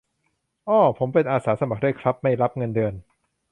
อ้อ ผมเป็นอาสาสมัครด้วยครับ ไม่รับเงินเดือน